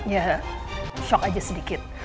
ya shock aja sedikit